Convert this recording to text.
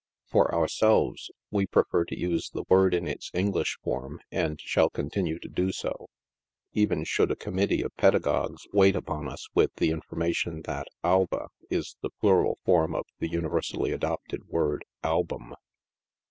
For ourselves, we prefer to use the word in its English form, and shall continue to do so, even should a committee of pedagogues wait upon us with the information that alba is the proper plural of the universally adopted word album.